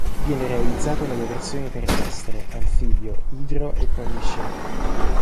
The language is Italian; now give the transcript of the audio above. Viene realizzato nelle versioni terrestre, anfibio, idro e con gli sci.